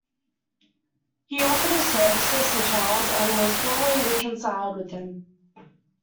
He offered his services to Charles and was formally reconciled with him.